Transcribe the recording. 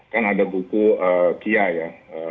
kan ada buku kia ya